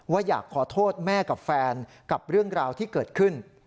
อยากขอโทษแม่กับแฟนกับเรื่องราวที่เกิดขึ้น